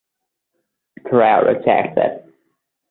Tyrrell rejects it.